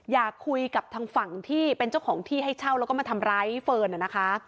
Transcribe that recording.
อยากคุยกับทางฝั่งที่เป็นเจ้าของที่ให้เช่าแล้วก็มาทำร้ายเฟิร์นนะคะ